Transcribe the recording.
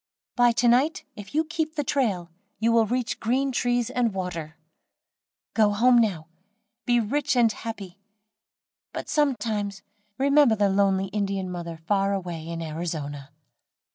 "By to night, if you keep the trail, you will reach green trees and water. Go home now, be rich and happy; but some times remember the lonely Indian mother far away in Arizona."